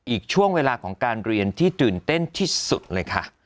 อีกช่วงเวลาของการเรียนที่ตื่นเต้นที่สุดเลยค่ะ